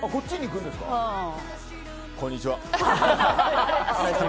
こんにちは。